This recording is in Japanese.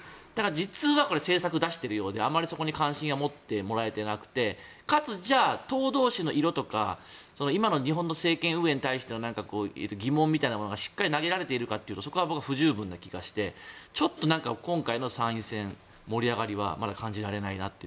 実は政策を出しているようであまりそこに関心を持ってもらえてなくてかつ、じゃあ党同士の色とか今の日本の政権運営に対する疑問みたいなものがしっかり投げられているかというと僕は不十分な気がしてちょっと今回の参院選盛り上がりはまだ感じられないなと。